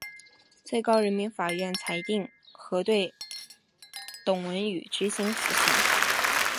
最高人民法院裁定核准对董文语执行死刑。